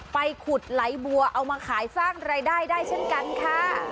ไปขุดไหลบัวเอามาขายสร้างรายได้ได้เช่นกันค่ะ